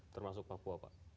termasuk papua pak